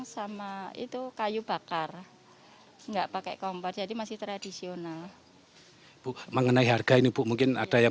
sama itu kayu bakar enggak pakai kompor jadi masih tradisional bu mengenai harga ini bu mungkin ada yang